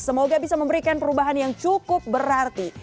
semoga bisa memberikan perubahan yang cukup berarti